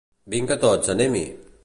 Vinga tots, anem-hi!